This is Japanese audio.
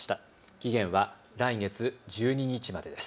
期限は来月１２日までです。